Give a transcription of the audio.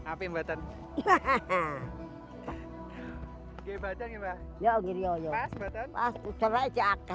apa mbak putri